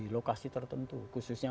lokasi tertentu khususnya